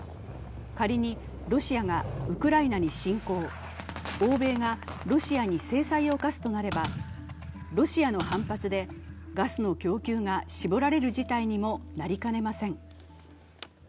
仮にロシアがウクライナに侵攻、欧米がロシアに制裁を科すとなればロシアの反発でガスの供給が絞られる事態にもなりかねません。